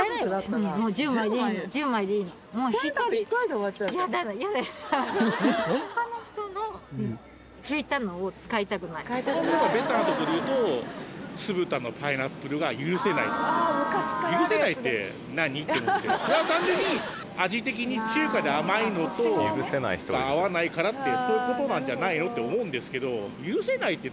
１０枚でいいのそれは単純に味的に中華で甘いのとが合わないからってそういうことなんじゃないのって思うんですけど「許せない」って何？